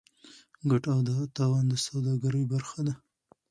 ګټه او تاوان د سوداګرۍ برخه ده.